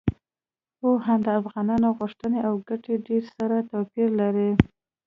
او هم د افغانانو غوښتنې او ګټې ډیر سره توپیر لري.